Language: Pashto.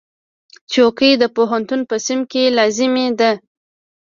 چوکۍ د پوهنتون په صنف کې لازمي ده.